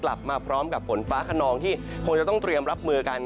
กลับมาพร้อมกับฝนฟ้าขนองที่คงจะต้องเตรียมรับมือกัน